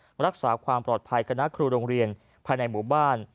รักษาความปลอดภัยคณะครูโรงเรียนภายในหมู่บ้าน